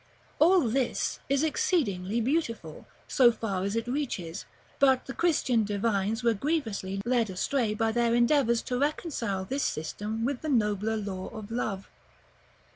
§ L. All this is exceedingly beautiful, so far as it reaches; but the Christian divines were grievously led astray by their endeavors to reconcile this system with the nobler law of love.